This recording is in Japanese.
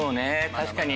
確かに。